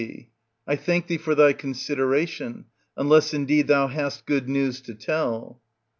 I thank thee for thy consideration, unless indeed thou hast good news to tell.